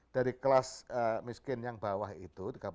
dari kelas miskin yang bawah itu